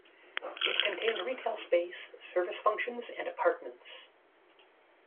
It contained retail space, service functions and apartments.